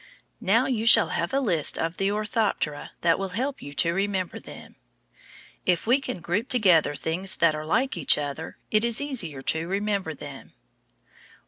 Now you shall have a list of the Orthoptera that will help you to remember them. If we can group together things that are like each other, it is easier to remember them.